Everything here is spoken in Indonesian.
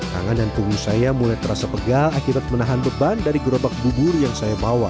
tangan dan punggung saya mulai terasa pegal akibat menahan beban dari gerobak bubur yang saya bawa